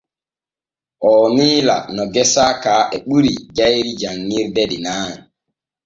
Oo miila no gesa ka e ɓuri jayri janŋirde de nay.